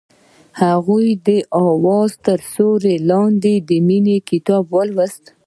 هغې د اواز تر سیوري لاندې د مینې کتاب ولوست.